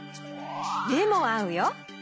めもあうよ。